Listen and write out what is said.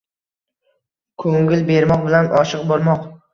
“Ko’ngil bermoq” bilan “Oshiq bo’lmoq”